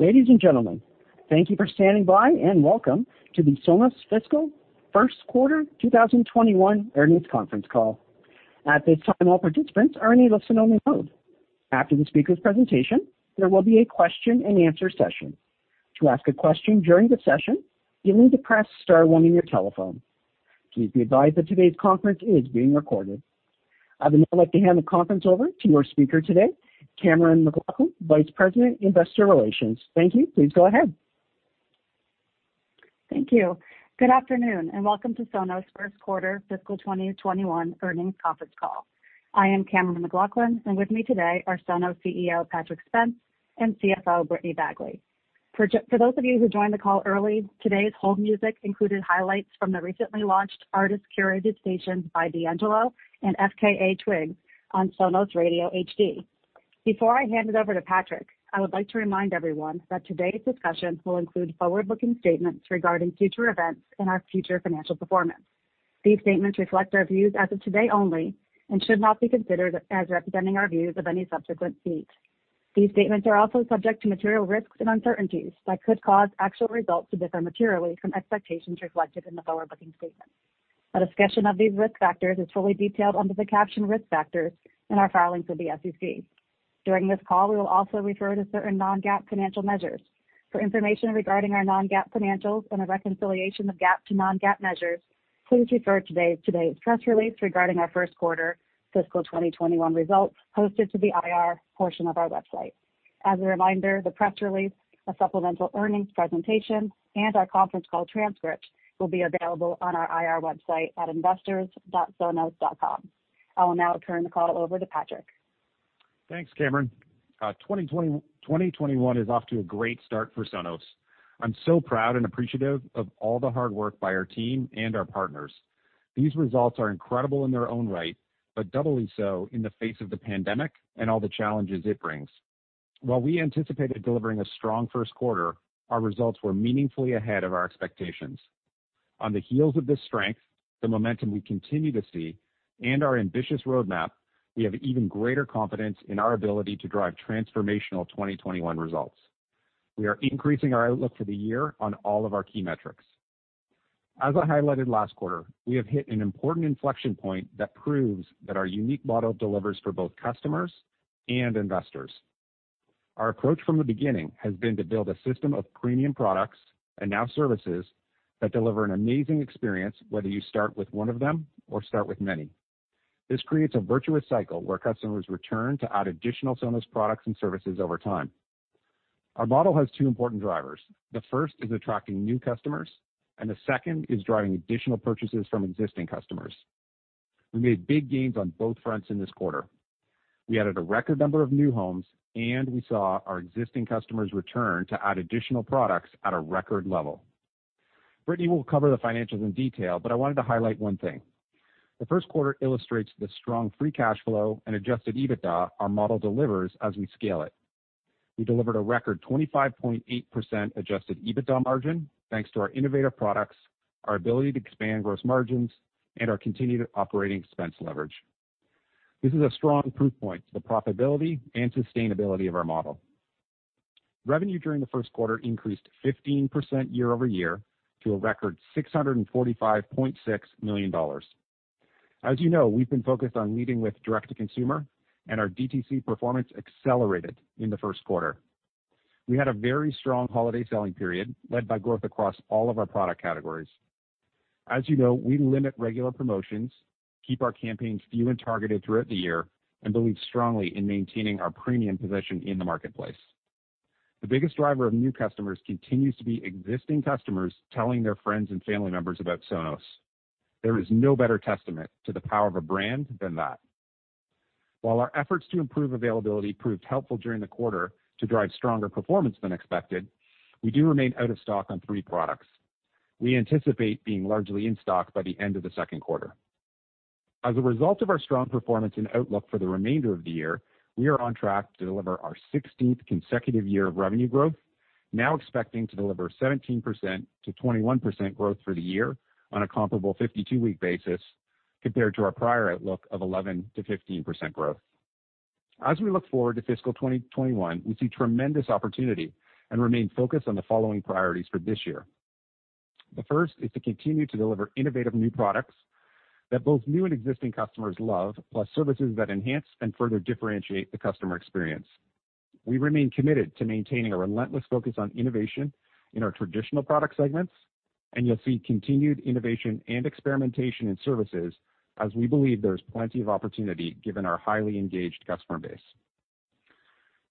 Ladies and gentlemen, thank you for standing by, and welcome to the Sonos Fiscal First Quarter 2021 Earnings Conference Call. At this time, all participants are in a listen-only mode. After the speaker's presentation, there will be a question-and-answer session. To ask a question during the session, you'll need to press star one on your telephone. Please be advised that today's conference is being recorded. I would now like to hand the conference over to our speaker today, Cammeron McLaughlin, Vice President, Investor Relations. Thank you. Please go ahead. Thank you. Good afternoon, and welcome to Sonos' first quarter fiscal 2021 earnings conference call. I am Cammeron McLaughlin, and with me today are Sonos CEO, Patrick Spence, and CFO, Brittany Bagley. For those of you who joined the call early, today's hold music included highlights from the recently launched artist-curated stations by D'Angelo and FKA twigs on Sonos Radio HD. Before I hand it over to Patrick, I would like to remind everyone that today's discussion will include forward-looking statements regarding future events and our future financial performance. These statements reflect our views as of today only and should not be considered as representing our views of any subsequent date. These statements are also subject to material risks and uncertainties that could cause actual results to differ materially from expectations reflected in the forward-looking statements. A discussion of these risk factors is fully detailed under the caption Risk Factors in our filings with the SEC. During this call, we will also refer to certain non-GAAP financial measures. For information regarding our non-GAAP financials and a reconciliation of GAAP to non-GAAP measures, please refer to today's press release regarding our first quarter fiscal 2021 results posted to the IR portion of our website. As a reminder, the press release, a supplemental earnings presentation, and our conference call transcript will be available pn our IR website at investors.sonos.com. I will now turn the call over to Patrick. Thanks, Cammeron. 2021 is off to a great start for Sonos. I'm so proud and appreciative of all the hard work by our team and our partners. These results are incredible in their own right, but doubly so in the face of the pandemic and all the challenges it brings. While we anticipated delivering a strong first quarter, our results were meaningfully ahead of our expectations. On the heels of this strength, the momentum we continue to see, and our ambitious roadmap, we have even greater confidence in our ability to drive transformational 2021 results. We are increasing our outlook for the year on all of our key metrics. As I highlighted last quarter, we have hit an important inflection point that proves that our unique model delivers for both customers and investors. Our approach from the beginning has been to build a system of premium products and now services that deliver an amazing experience whether you start with one of them or start with many. This creates a virtuous cycle where customers return to add additional Sonos products and services over time. Our model has two important drivers. The first is attracting new customers, and the second is driving additional purchases from existing customers. We made big gains on both fronts in this quarter. We added a record number of new homes, and we saw our existing customers return to add additional products at a record level. Brittany will cover the financials in detail, but I wanted to highlight one thing. The first quarter illustrates the strong free cash flow and adjusted EBITDA our model delivers as we scale it. We delivered a record 25.8% adjusted EBITDA margin, thanks to our innovative products, our ability to expand gross margins, and our continued operating expense leverage. This is a strong proof point to the profitability and sustainability of our model. Revenue during the first quarter increased 15% year-over-year to a record $645.6 million. As you know, we've been focused on leading with direct-to-consumer, and our DTC performance accelerated in the first quarter. We had a very strong holiday selling period led by growth across all of our product categories. As you know, we limit regular promotions, keep our campaigns few and targeted throughout the year, and believe strongly in maintaining our premium position in the marketplace. The biggest driver of new customers continues to be existing customers telling their friends and family members about Sonos. There is no better testament to the power of a brand than that. While our efforts to improve availability proved helpful during the quarter to drive stronger performance than expected, we do remain out of stock on three products. We anticipate being largely in stock by the end of the second quarter. As a result of our strong performance and outlook for the remainder of the year, we are on track to deliver our 16th consecutive year of revenue growth, now expecting to deliver 17%-21% growth through the year on a comparable 52-week basis compared to our prior outlook of 11%-15% growth. As we look forward to fiscal 2021, we see tremendous opportunity and remain focused on the following priorities for this year. The first is to continue to deliver innovative new products that both new and existing customers love, plus services that enhance and further differentiate the customer experience. We remain committed to maintaining a relentless focus on innovation in our traditional product segments, and you'll see continued innovation and experimentation in services as we believe there is plenty of opportunity given our highly engaged customer base.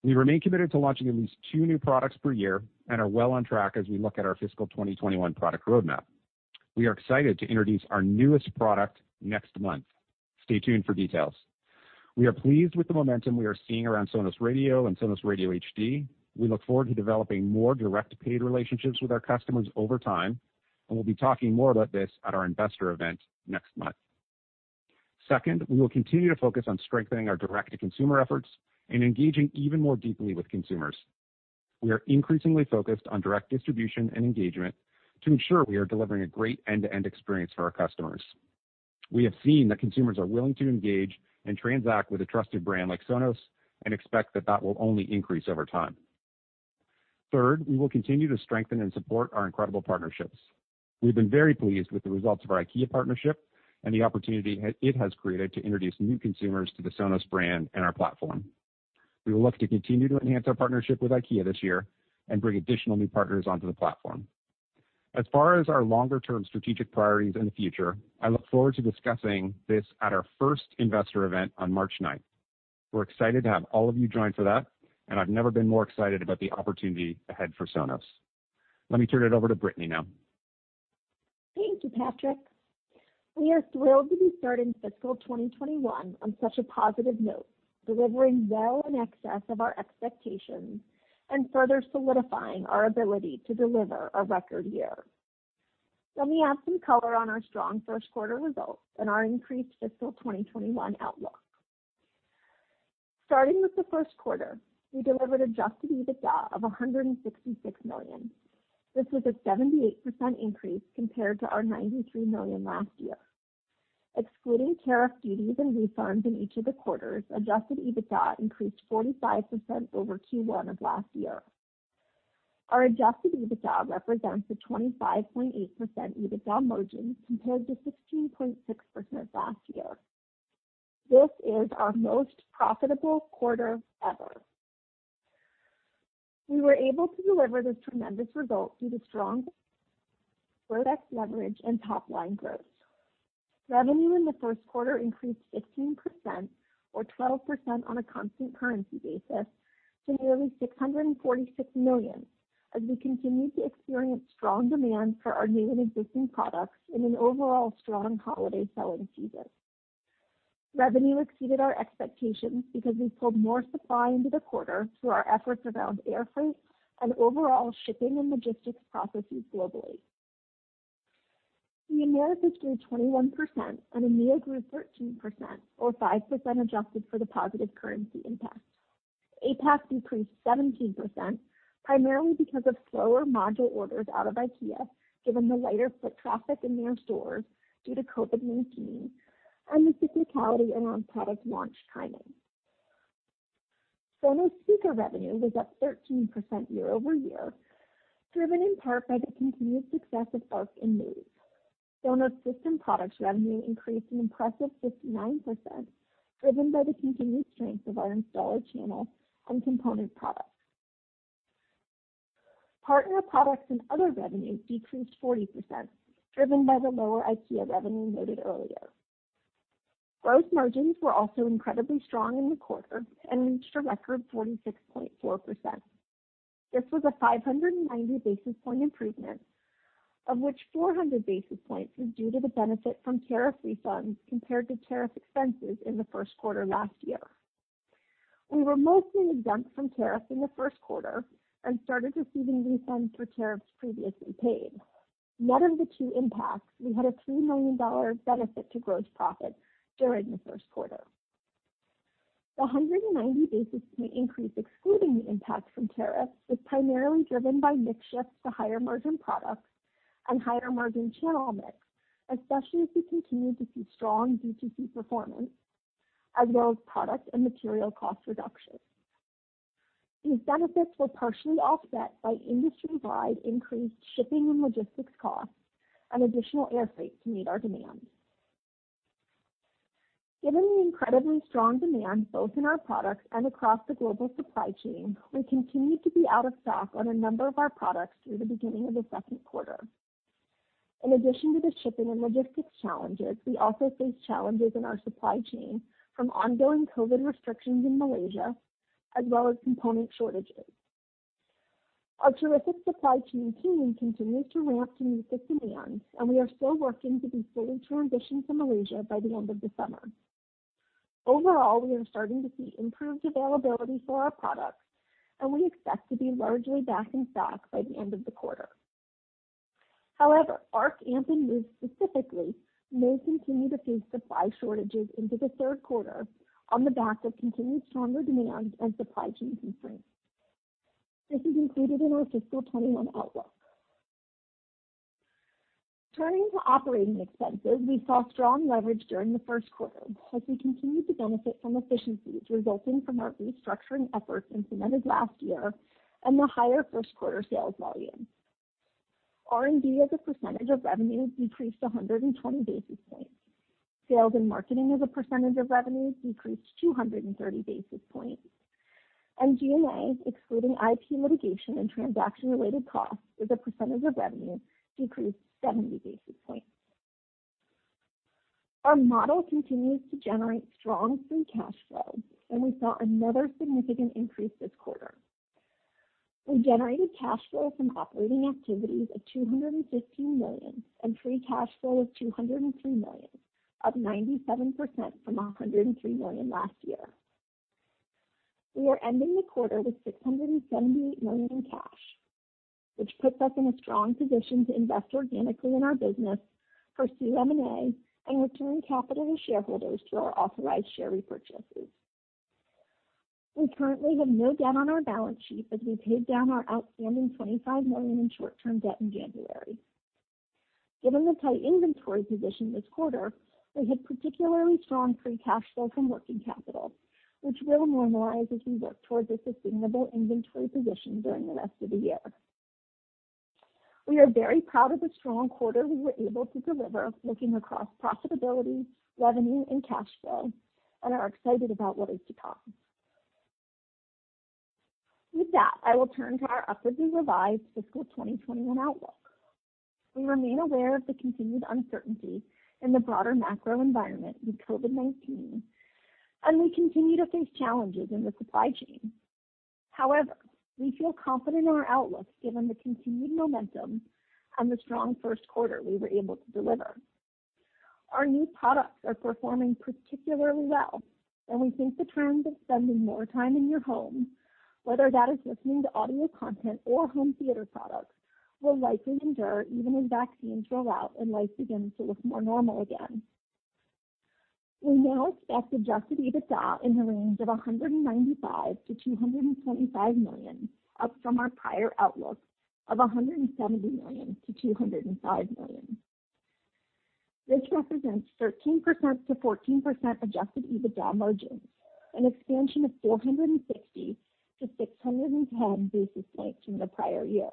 We remain committed to launching at least two new products per year and are well on track as we look at our fiscal 2021 product roadmap. We are excited to introduce our newest product next month. Stay tuned for details. We are pleased with the momentum we are seeing around Sonos Radio and Sonos Radio HD. We look forward to developing more direct paid relationships with our customers over time, and we'll be talking more about this at our investor event next month. Second, we will continue to focus on strengthening our direct-to-consumer efforts and engaging even more deeply with consumers. We are increasingly focused on direct distribution and engagement to ensure we are delivering a great end-to-end experience for our customers. We have seen that consumers are willing to engage and transact with a trusted brand like Sonos and expect that that will only increase over time. Third, we will continue to strengthen and support our incredible partnerships. We've been very pleased with the results of our IKEA partnership and the opportunity it has created to introduce new consumers to the Sonos brand and our platform. We will look to continue to enhance our partnership with IKEA this year and bring additional new partners onto the platform. As far as our longer-term strategic priorities in the future, I look forward to discussing this at our first investor event on March 9th. We're excited to have all of you join for that, and I've never been more excited about the opportunity ahead for Sonos. Let me turn it over to Brittany now. Thank you, Patrick. We are thrilled to be starting fiscal 2021 on such a positive note, delivering well in excess of our expectations and further solidifying our ability to deliver a record year. Let me add some color on our strong first quarter results and our increased fiscal 2021 outlook. Starting with the first quarter, we delivered adjusted EBITDA of $166 million. This was a 78% increase compared to our $93 million last year. Excluding tariff duties and refunds in each of the quarters, adjusted EBITDA increased 45% over Q1 of last year. Our adjusted EBITDA represents a 25.8% EBITDA margin compared to 16.6% last year. This is our most profitable quarter ever. We were able to deliver this tremendous result due to strong product leverage and top-line growth. Revenue in the first quarter increased 15%, or 12% on a constant currency basis, to nearly $646 million, as we continued to experience strong demand for our new and existing products in an overall strong holiday selling season. Revenue exceeded our expectations because we pulled more supply into the quarter through our efforts around air freight and overall shipping and logistics processes globally. The Americas grew 21% and EMEA grew 13%, or 5% adjusted for the positive currency impact. APAC decreased 17%, primarily because of slower module orders out of IKEA, given the lighter foot traffic in their stores due to COVID-19 and the cyclicality around product launch timing. Sonos speaker revenue was up 13% year-over-year, driven in part by the continued success of Arc and Move. Sonos system products revenue increased an impressive 59%, driven by the continued strength of our installer channel and component products. Partner products and other revenue decreased 40%, driven by the lower IKEA revenue noted earlier. Gross margins were also incredibly strong in the quarter and reached a record 46.4%. This was a 590-basis point improvement, of which 400 basis points was due to the benefit from tariff refunds compared to tariff expenses in the first quarter last year. We were mostly exempt from tariffs in the first quarter and started receiving refunds for tariffs previously paid. Net of the two impacts, we had a $3 million benefit to gross profit during the first quarter. The 190-basis point increase excluding the impact from tariffs was primarily driven by mix shifts to higher-margin products and higher-margin channel mix, especially as we continued to see strong B2C performance as well as product and material cost reductions. These benefits were partially offset by industry-wide increased shipping and logistics costs and additional air freight to meet our demands. Given the incredibly strong demand both in our products and across the global supply chain, we continued to be out of stock on a number of our products through the beginning of the second quarter. In addition to the shipping and logistics challenges, we also faced challenges in our supply chain from ongoing COVID-19 restrictions in Malaysia, as well as component shortages. Our terrific supply chain team continues to ramp to meet the demand, and we are still working to be fully transitioned from Malaysia by the end of the summer. Overall, we are starting to see improved availability for our products, and we expect to be largely back in stock by the end of the quarter. However, Arc, Amp, and Move specifically may continue to face supply shortages into the third quarter on the back of continued stronger demand and supply chain constraints. This is included in our fiscal 2021 outlook. Turning to operating expenses, we saw strong leverage during the first quarter as we continued to benefit from efficiencies resulting from our restructuring efforts implemented last year and the higher first quarter sales volume. R&D as a percentage of revenue decreased 120 basis points. Sales and marketing as a percentage of revenue decreased 230 basis points. G&A, excluding IP litigation and transaction-related costs as a percentage of revenue, decreased 70 basis points. Our model continues to generate strong free cash flow, and we saw another significant increase this quarter. We generated cash flow from operating activities of $215 million and free cash flow of $203 million, up 97% from $103 million last year. We are ending the quarter with $678 million in cash, which puts us in a strong position to invest organically in our business, pursue M&A, and return capital to shareholders through our authorized share repurchases. We currently have no debt on our balance sheet as we paid down our outstanding $25 million in short-term debt in January. Given the tight inventory position this quarter, we had particularly strong free cash flow from working capital, which will normalize as we work towards a sustainable inventory position during the rest of the year. We are very proud of the strong quarter we were able to deliver, looking across profitability, revenue, and cash flow, and are excited about what is to come. With that, I will turn to our upwardly revised fiscal 2021 outlook. We remain aware of the continued uncertainty in the broader macro environment with COVID-19, and we continue to face challenges in the supply chain. However, we feel confident in our outlook given the continued momentum and the strong first quarter we were able to deliver. Our new products are performing particularly well, and we think the trend of spending more time in your home, whether that is listening to audio content or home theater products, will likely endure even as vaccines roll out and life begins to look more normal again. We now expect adjusted EBITDA in the range of $195 million-$225 million, up from our prior outlook of $170 million-$205 million. This represents 13%-14% adjusted EBITDA margins, an expansion of 460-610 basis points from the prior year.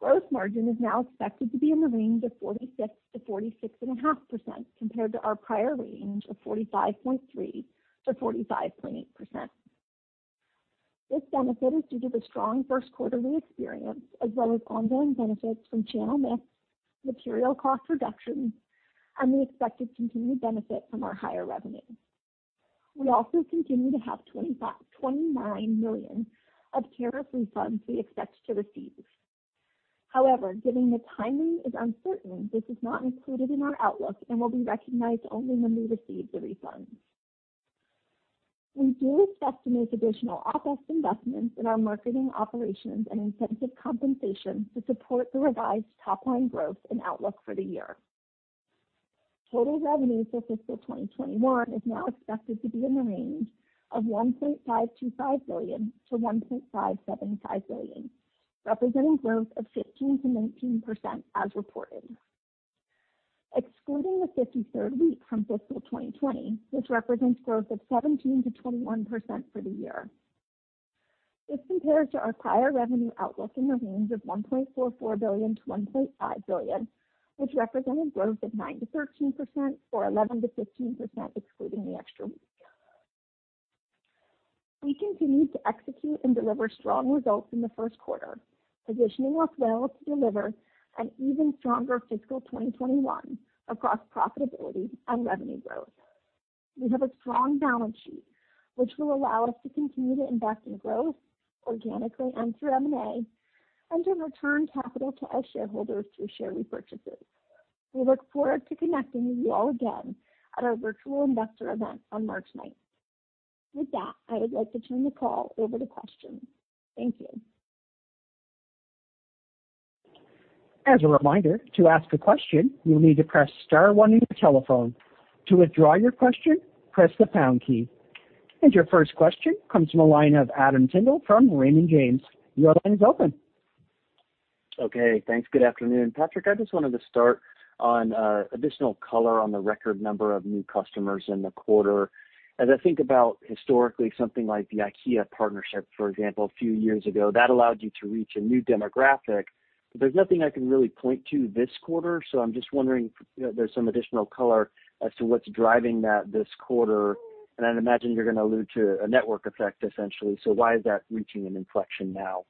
Gross margin is now expected to be in the range of 46%-46.5%, compared to our prior range of 45.3%-45.8%. This benefit is due to the strong first quarter we experienced as well as ongoing benefits from channel mix, material cost reductions, and the expected continued benefit from our higher revenue. We also continue to have $29 million of tariff refunds we expect to receive. However, given the timing is uncertain, this is not included in our outlook and will be recognized only when we receive the refunds. We do expect to make additional OpEx investments in our marketing operations and incentive compensation to support the revised top-line growth and outlook for the year. Total revenue for fiscal 2021 is now expected to be in the range of $1.525 billion-$1.575 billion, representing growth of 15%-19% as reported. Excluding the 53rd week from fiscal 2020, this represents growth of 17%-21% for the year. This compares to our prior revenue outlook in the range of $1.44 billion-$1.5 billion, which represented growth of 9%-13%, or 11%-15% excluding the extra week. We continued to execute and deliver strong results in the first quarter, positioning us well to deliver an even stronger fiscal 2021 across profitability and revenue growth. We have a strong balance sheet, which will allow us to continue to invest in growth organically and through M&A and to return capital to our shareholders through share repurchases. We look forward to connecting with you all again at our virtual investor event on March 9th. With that, I would like to turn the call over to questions. Thank you. As a reminder, to ask a question, you will need to press star one on your telephone. To withdraw your question, press the pound key. Your first question comes from the line of Adam Tindle from Raymond James. Your line is open. Okay, thanks. Good afternoon. Patrick, I just wanted to start on additional color on the record number of new customers in the quarter. As I think about historically something like the IKEA partnership, for example, a few years ago, that allowed you to reach a new demographic. There's nothing I can really point to this quarter, so I'm just wondering if there's some additional color as to what's driving that this quarter. I'd imagine you're going to allude to a network effect, essentially. Why is that reaching an inflection now?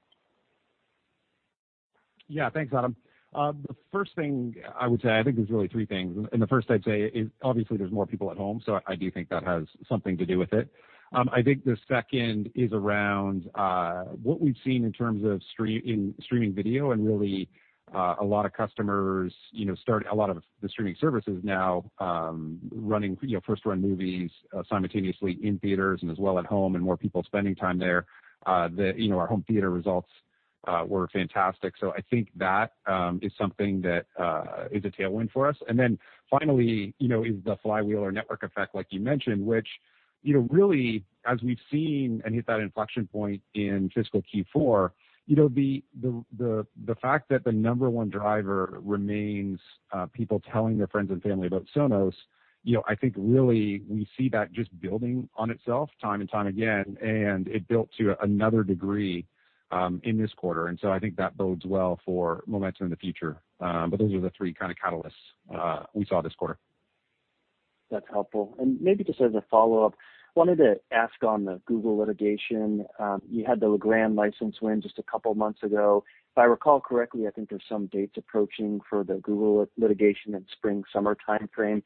Yeah. Thanks, Adam. The first thing I would say, I think there's really three things. The first I'd say is obviously there's more people at home. I do think that has something to do with it. I think the second is around what we've seen in terms of in streaming video and really a lot of the streaming services now running first-run movies simultaneously in theaters and as well at home and more people spending time there. Our home theater results were fantastic. I think that is something that is a tailwind for us. Finally, is the flywheel or network effect like you mentioned, which really as we've seen and hit that inflection point in fiscal Q4, the fact that the number one driver remains people telling their friends and family about Sonos, I think really we see that just building on itself time and time again, and it built to another degree in this quarter. I think that bodes well for momentum in the future. Those are the three kind of catalysts we saw this quarter. That's helpful. Maybe just as a follow-up, wanted to ask on the Google litigation. You had the Legrand license win just a couple of months ago. If I recall correctly, I think there's some dates approaching for the Google litigation in spring, summer timeframe.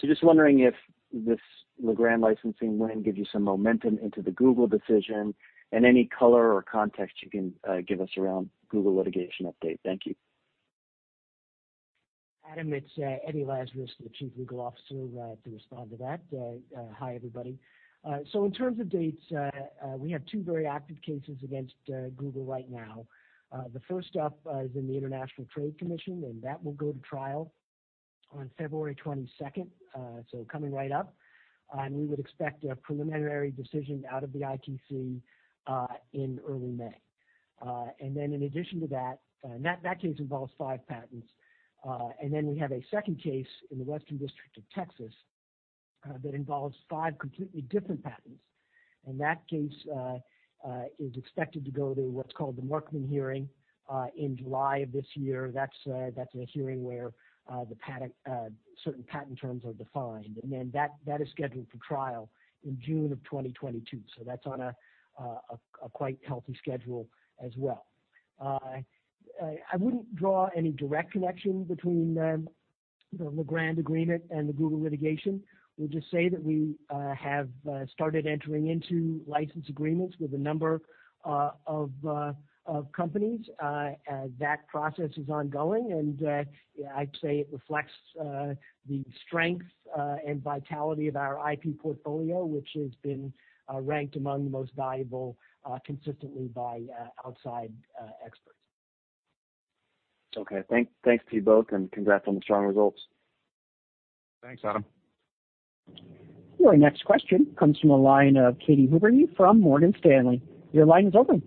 Just wondering if this Legrand licensing win gives you some momentum into the Google decision and any color or context you can give us around Google litigation update. Thank you. Adam, it's Eddie Lazarus, the Chief Legal Officer, to respond to that. Hi, everybody. In terms of dates, we have two very active cases against Google right now. The first up is in the International Trade Commission, that will go to trial on February 22nd, coming right up. We would expect a preliminary decision out of the ITC in early May. In addition to that case involves five patents. We have a second case in the Western District of Texas that involves five completely different patents. That case is expected to go to what's called the Markman hearing in July of this year. That's a hearing where certain patent terms are defined. That is scheduled for trial in June of 2022. That's on a quite healthy schedule as well. I wouldn't draw any direct connection between the Legrand agreement and the Google litigation. We'll just say that we have started entering into license agreements with a number of companies. That process is ongoing, and I'd say it reflects the strength and vitality of our IP portfolio, which has been ranked among the most valuable consistently by outside experts. Okay. Thanks to you both, and congrats on the strong results. Thanks, Adam. Your next question comes from the line of Katy Huberty from Morgan Stanley. Your line is open.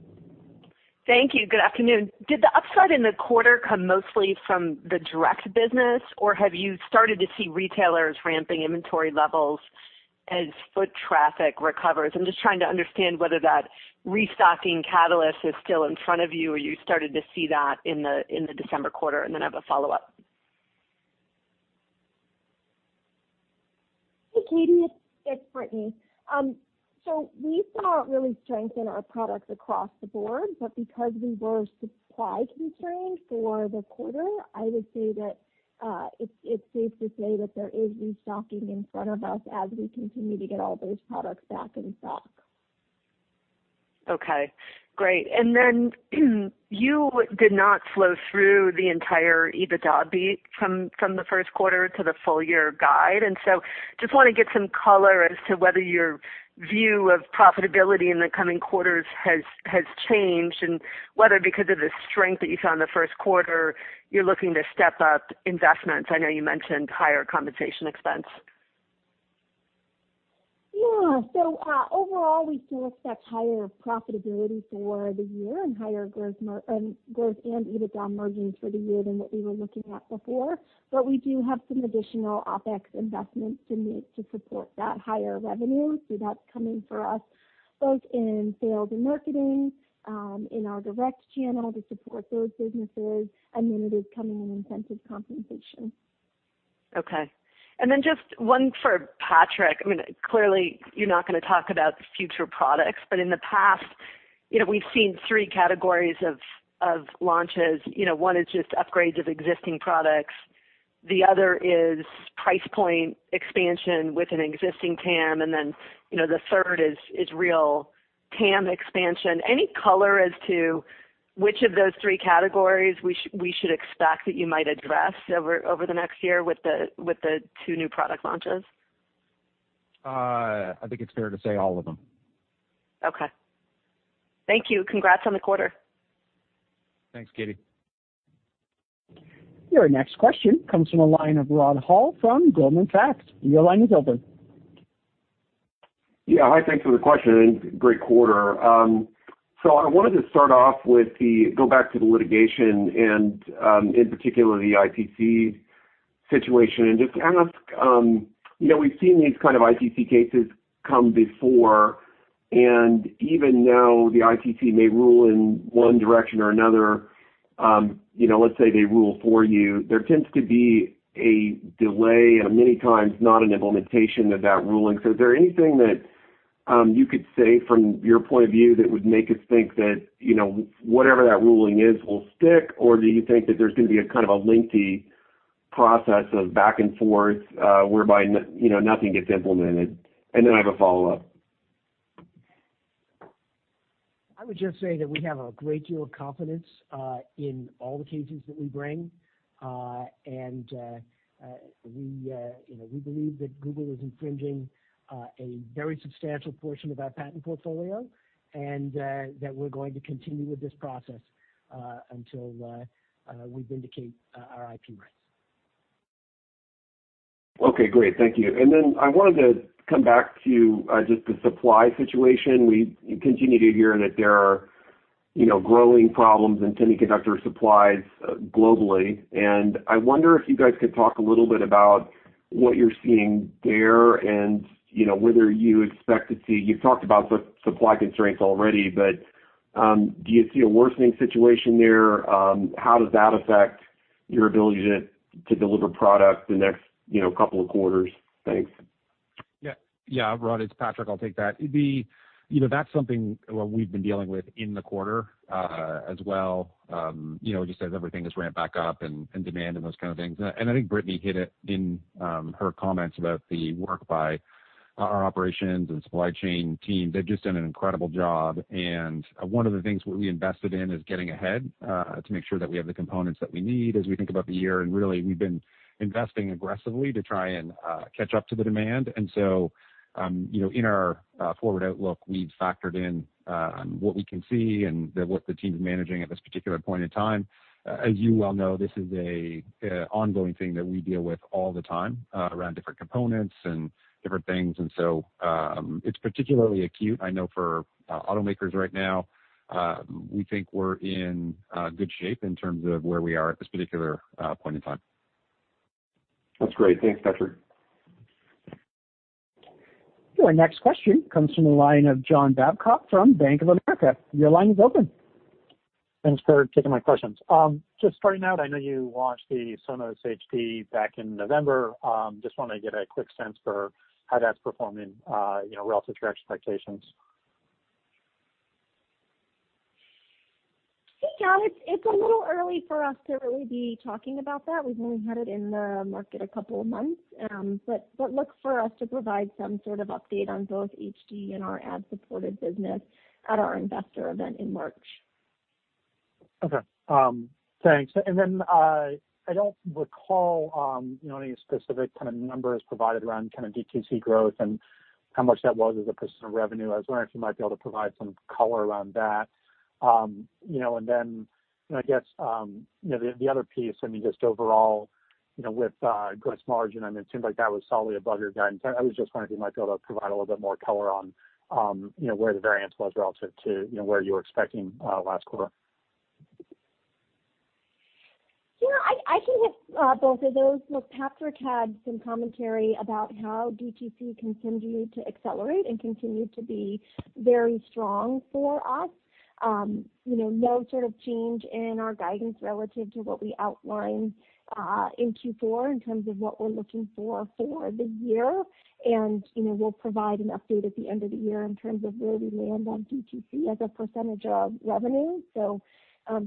Thank you. Good afternoon. Did the upside in the quarter come mostly from the direct business, or have you started to see retailers ramping inventory levels as foot traffic recovers? I'm just trying to understand whether that restocking catalyst is still in front of you, or you started to see that in the December quarter, and then I have a follow-up. Hey, Katy. It's Brittany. We saw real strength in our products across the board, but because we were supply constrained for the quarter, I would say that it's safe to say that there is restocking in front of us as we continue to get all those products back in stock. Okay, great. You did not flow through the entire EBITDA beat from the first quarter to the full year guide. Just want to get some color as to whether your view of profitability in the coming quarters has changed, and whether because of the strength that you saw in the first quarter, you're looking to step up investments. I know you mentioned higher compensation expense. Overall, we still expect higher profitability for the year and higher growth and EBITDA margins for the year than what we were looking at before. We do have some additional OpEx investments to make to support that higher revenue. That's coming for us both in sales and marketing, in our direct channel to support those businesses, and then it is coming in incentive compensation. Okay. Just one for Patrick. Clearly, you're not going to talk about future products. In the past, we've seen three categories of launches. One is just upgrades of existing products, the other is price point expansion with an existing TAM, the third is real TAM expansion. Any color as to which of those three categories we should expect that you might address over the next year with the two new product launches? I think it's fair to say all of them. Okay. Thank you. Congrats on the quarter. Thanks, Katy. Your next question comes from the line of Rod Hall from Goldman Sachs. Your line is open. Yeah. Hi, thanks for the question, and great quarter. I wanted to start off with the go back to the litigation and, in particular, the ITC situation and just ask, we've seen these kind of ITC cases come before, and even now, the ITC may rule in one direction or another. Let's say they rule for you, there tends to be a delay and many times not an implementation of that ruling. Is there anything that you could say from your point of view that would make us think that whatever that ruling is will stick, or do you think that there's going to be a kind of a lengthy process of back and forth, whereby nothing gets implemented? I have a follow-up. I would just say that we have a great deal of confidence in all the cases that we bring. We believe that Google is infringing a very substantial portion of our patent portfolio and that we're going to continue with this process until we vindicate our IP rights. Okay, great. Thank you. I wanted to come back to just the supply situation. We continue to hear that there are growing problems in semiconductor supplies globally, and I wonder if you guys could talk a little bit about what you're seeing there and whether you've talked about the supply constraints already, but do you see a worsening situation there? How does that affect your ability to deliver product the next couple of quarters? Thanks. Yeah, Rod, it's Patrick. I'll take that. That's something we've been dealing with in the quarter as well, just as everything has ramped back up and demand and those kind of things. I think Brittany hit it in her comments about the work by our operations and supply chain teams. They've just done an incredible job. One of the things we invested in is getting ahead to make sure that we have the components that we need as we think about the year, and really, we've been investing aggressively to try and catch up to the demand. In our forward outlook, we've factored in what we can see and what the team's managing at this particular point in time. As you well know, this is an ongoing thing that we deal with all the time around different components and different things. It's particularly acute, I know, for automakers right now. We think we're in good shape in terms of where we are at this particular point in time. That's great. Thanks, Patrick. Your next question comes from the line of John Babcock from Bank of America. Your line is open. Thanks for taking my questions. Just starting out, I know you launched the Sonos HD back in November. I just want to get a quick sense for how that's performing relative to your expectations. Hey, John. It's a little early for us to really be talking about that. We've only had it in the market a couple of months. Look for us to provide some sort of update on both HD and our ad-supported business at our investor event in March. Okay. Thanks. Then, I don't recall any specific kind of numbers provided around kind of DTC growth and how much that was as a % of revenue. I was wondering if you might be able to provide some color around that. Then, I guess, the other piece, I mean, just overall, with gross margin, it seems like that was solidly above your guidance. I was just wondering if you might be able to provide a little bit more color on where the variance was relative to where you were expecting last quarter. Yeah, I can hit both of those. Look, Patrick had some commentary about how DTC continued to accelerate and continued to be very strong for us. No sort of change in our guidance relative to what we outlined in Q4 in terms of what we're looking for for the year. We'll provide an update at the end of the year in terms of where we land on DTC as a percentage of revenue.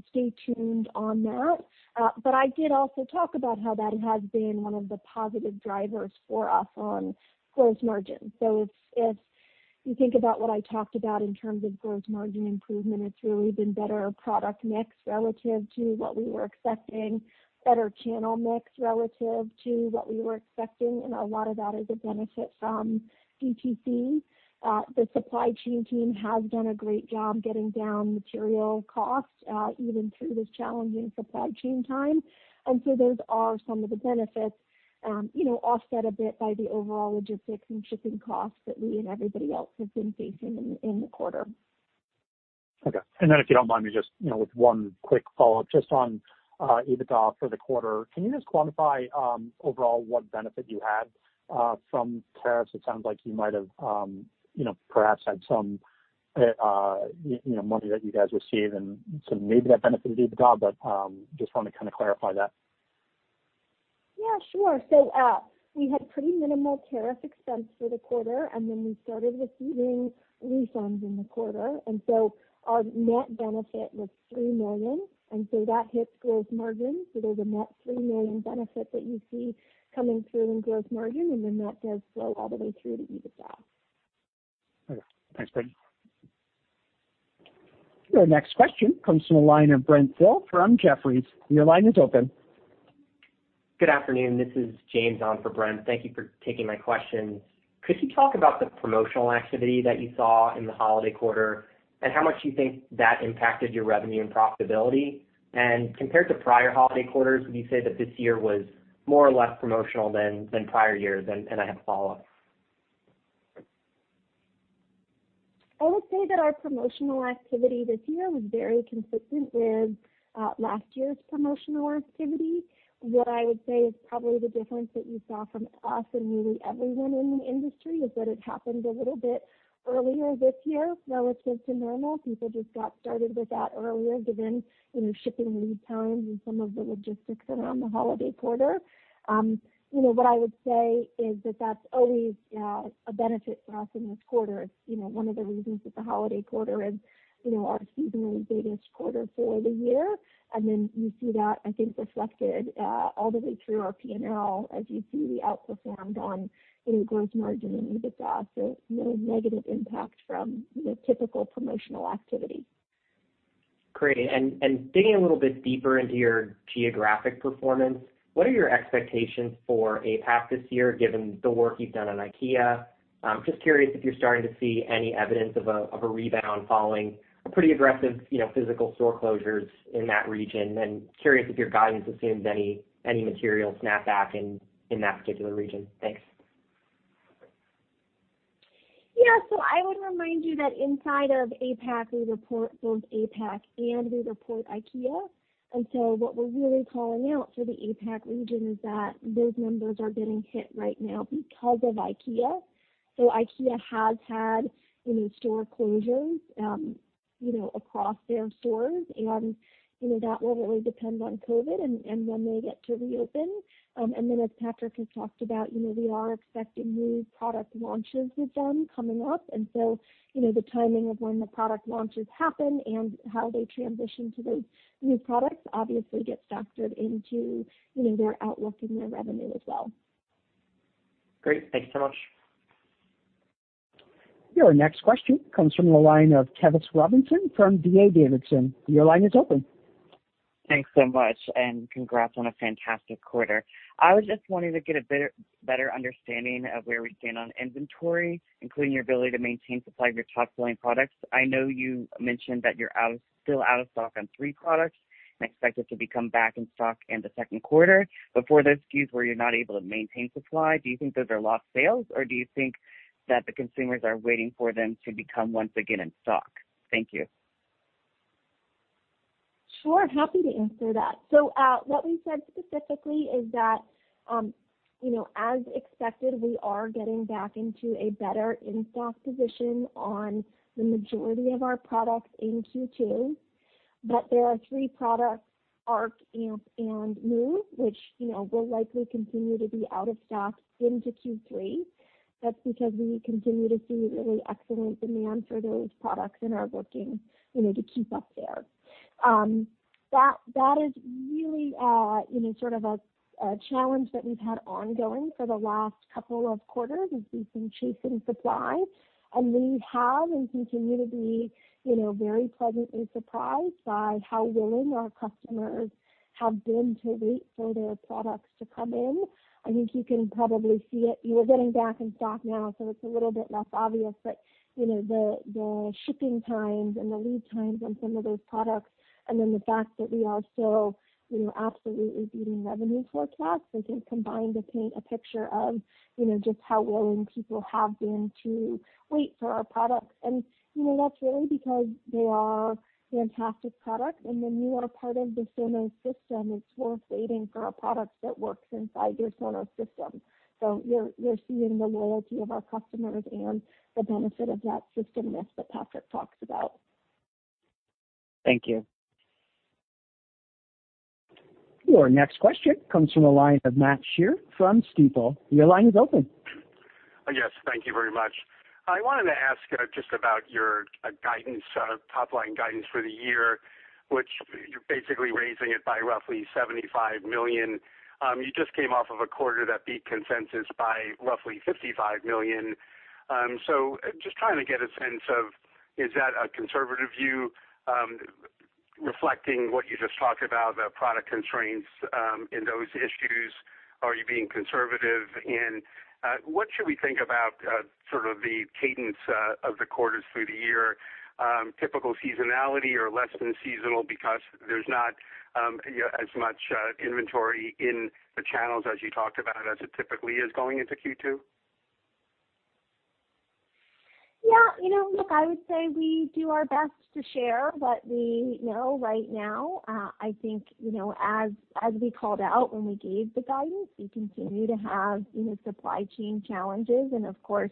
Stay tuned on that. I did also talk about how that has been one of the positive drivers for us on gross margin. If you think about what I talked about in terms of gross margin improvement, it's really been better product mix relative to what we were expecting, better channel mix relative to what we were expecting, and a lot of that is a benefit from DTC. The supply chain team has done a great job getting down material costs, even through this challenging supply chain time. Those are some of the benefits, offset a bit by the overall logistics and shipping costs that we and everybody else have been facing in the quarter. Okay. If you don't mind me just with one quick follow-up just on EBITDA for the quarter. Can you just quantify, overall, what benefit you had from tariffs? It sounds like you might have perhaps had some money that you guys received and some, maybe that benefited EBITDA, but just want to kind of clarify that. Yeah, sure. We had pretty minimal tariff expense for the quarter, and then we started receiving refunds in the quarter. Our net benefit was $3 million, and so that hits gross margin. There's a net $3 million benefit that you see coming through in gross margin, and then that does flow all the way through to EBITDA. Okay. Thanks, Brittany. Your next question comes from the line of Brent Thill from Jefferies. Your line is open. Good afternoon. This is James on for Brent. Thank you for taking my questions. Could you talk about the promotional activity that you saw in the holiday quarter, and how much you think that impacted your revenue and profitability? Compared to prior holiday quarters, would you say that this year was more or less promotional than prior years? I have a follow-up. I would say that our promotional activity this year was very consistent with last year's promotional activity. What I would say is probably the difference that you saw from us and really everyone in the industry is that it happened a little bit earlier this year relative to normal. People just got started with that earlier, given shipping lead times and some of the logistics around the holiday quarter. What I would say is that that's always a benefit for us in this quarter. It's one of the reasons that the holiday quarter is our seasonally biggest quarter for the year. You see that, I think, reflected all the way through our P&L as you see the flow-through on gross margin and EBITDA. No negative impact from typical promotional activity. Great. Digging a little bit deeper into your geographic performance, what are your expectations for APAC this year, given the work you've done on IKEA? Just curious if you're starting to see any evidence of a rebound following pretty aggressive physical store closures in that region. Curious if your guidance assumes any material snapback in that particular region. Thanks. I would remind you that inside of APAC, we report both APAC and we report IKEA. What we're really calling out for the APAC region is that those numbers are getting hit right now because of IKEA. IKEA has had store closures across their stores, and that will really depend on COVID and when they get to reopen. As Patrick has talked about, we are expecting new product launches with them coming up. The timing of when the product launches happen and how they transition to those new products obviously gets factored into their outlook and their revenue as well. Great. Thanks so much. Your next question comes from the line of Tevis Robinson from D.A. Davidson. Your line is open. Thanks so much. Congrats on a fantastic quarter. I was just wanting to get a better understanding of where we stand on inventory, including your ability to maintain supply of your top-selling products. I know you mentioned that you're still out of stock on three products and expect it to be come back in stock in the second quarter. For those SKUs where you're not able to maintain supply, do you think those are lost sales, or do you think that the consumers are waiting for them to become once again in stock? Thank you. Sure, happy to answer that. What we said specifically is that, as expected, we are getting back into a better in-stock position on the majority of our products in Q2. There are three products, Arc, Amp, and Move, which will likely continue to be out of stock into Q3. That's because we continue to see really excellent demand for those products and are working to keep up there. That is really sort of a challenge that we've had ongoing for the last couple of quarters is we've been chasing supply, and we have and continue to be very pleasantly surprised by how willing our customers have been to wait for their products to come in. I think you can probably see it. We are getting back in stock now, so it's a little bit less obvious, but the shipping times and the lead times on some of those products, and then the fact that we are still absolutely beating revenue forecasts, I think, combine to paint a picture of just how willing people have been to wait for our products. That's really because they are fantastic products, and when you are part of the Sonos system, it's worth waiting for a product that works inside your Sonos system. You're seeing the loyalty of our customers and the benefit of that systemness that Patrick talks about. Thank you. Your next question comes from the line of Matt Sheerin from Stifel. Your line is open. Yes. Thank you very much. I wanted to ask just about your top-line guidance for the year, which you're basically raising it by roughly $75 million. You just came off of a quarter that beat consensus by roughly $55 million. Just trying to get a sense of, is that a conservative view reflecting what you just talked about, the product constraints in those issues? Are you being conservative? What should we think about sort of the cadence of the quarters through the year, typical seasonality or less than seasonal because there's not as much inventory in the channels as you talked about as it typically is going into Q2? Look, I would say we do our best to share what we know right now. I think, as we called out when we gave the guidance, we continue to have supply chain challenges. Of course,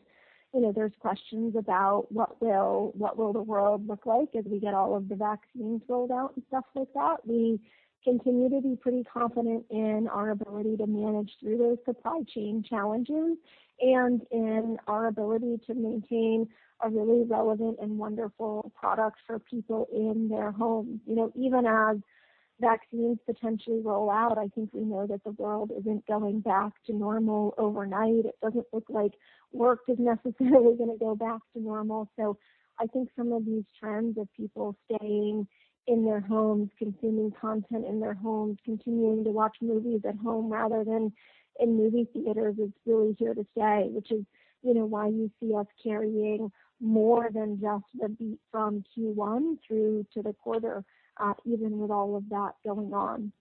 there's questions about what will the world look like as we get all of the vaccines rolled out and stuff like that. We continue to be pretty confident in our ability to manage through those supply chain challenges and in our ability to maintain a really relevant and wonderful product for people in their homes. Even as vaccines potentially roll out, I think we know that the world isn't going back to normal overnight. It doesn't look like work is necessarily going to go back to normal. I think some of these trends of people staying in their homes, consuming content in their homes, continuing to watch movies at home rather than in movie theaters is really here to stay, which is why you see us carrying more than just the beat from Q1 through to the quarter, even with all of that going on.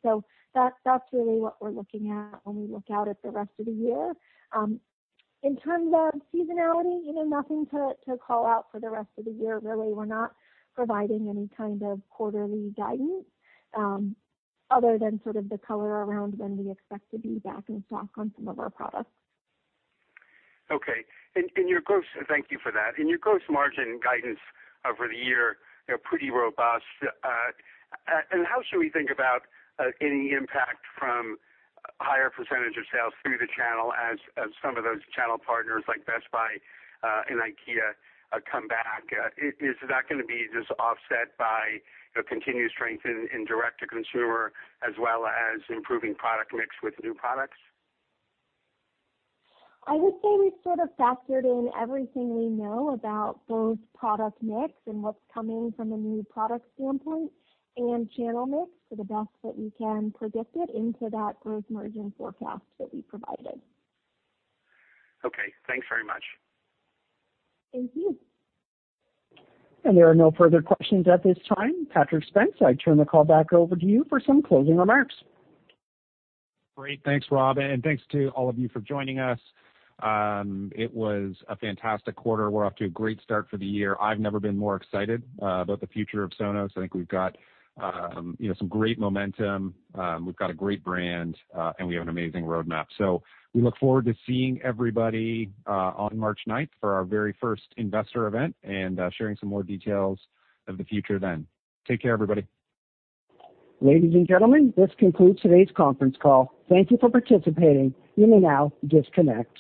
In terms of seasonality, nothing to call out for the rest of the year, really. We're not providing any kind of quarterly guidance other than sort of the color around when we expect to be back in stock on some of our products. Okay. Thank you for that. Your gross margin guidance over the year, pretty robust. How should we think about any impact from higher percentage of sales through the channel as some of those channel partners like Best Buy and IKEA come back? Is that going to be just offset by continued strength in direct-to-consumer as well as improving product mix with new products? I would say we've sort of factored in everything we know about both product mix and what's coming from a new product standpoint and channel mix to the best that we can predict it into that gross margin forecast that we provided. Okay. Thanks very much. Thank you. There are no further questions at this time. Patrick Spence, I turn the call back over to you for some closing remarks. Great. Thanks, Rob, and thanks to all of you for joining us. It was a fantastic quarter. We're off to a great start for the year. I've never been more excited about the future of Sonos. I think we've got some great momentum. We've got a great brand, and we have an amazing roadmap. We look forward to seeing everybody on March 9th for our very first investor event and sharing some more details of the future then. Take care, everybody. Ladies and gentlemen, this concludes today's conference call. Thank you for participating. You may now disconnect.